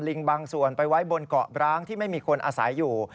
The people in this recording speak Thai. บางส่วนไปไว้บนเกาะร้างที่ไม่มีคนอาศัยอยู่